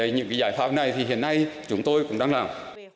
những giải pháp này thì hiện nay chúng tôi cũng đang làm